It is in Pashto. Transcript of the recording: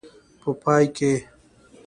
په پای کې.